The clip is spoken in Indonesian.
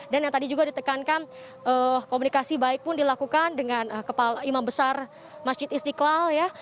yang tadi juga ditekankan komunikasi baik pun dilakukan dengan kepala imam besar masjid istiqlal ya